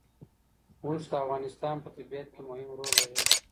اوښ د افغانستان په طبیعت کې مهم رول لري.